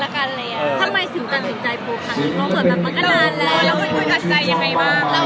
ถูกตัดสินใจหละพวกเรา